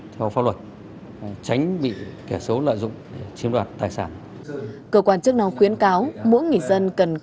tôi vô tình đi đến